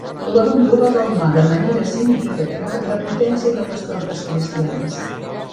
L'abandó va delmar de manera significativa la potència de les tropes cristianes.